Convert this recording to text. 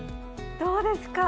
どうですか！